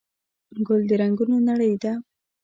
ګل د رنګونو نړۍ ده.